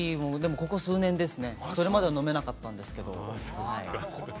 ここ数年ですね、それまでは飲めなかったんですけれど。